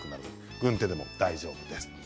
軍手でも大丈夫です。